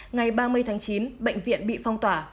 ngày ba mươi tháng chín bệnh viện bị phong tỏa